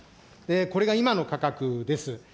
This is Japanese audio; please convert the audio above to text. これが今の価格です。